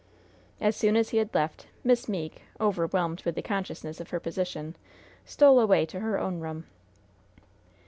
As soon as he had left, Miss Meeke, overwhelmed with the consciousness of her position, stole away to her own room.